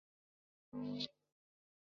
维捷尔尼科夫生于斯维尔德洛夫斯克。